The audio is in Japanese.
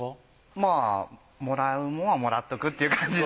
まぁもらうもんはもらっとくっていう感じで。